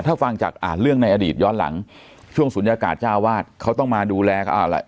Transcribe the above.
ถ้าฟังจากอ่านเรื่องในอดีตย้อนหลังช่วงศูนยากาศเจ้าวาดเขาต้องมาดูแลอ่า